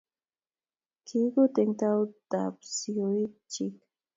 Kiguut eng tautab siok chi